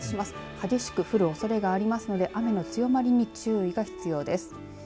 激しく降るおそれがありますので雨の強まりに注意が必要です。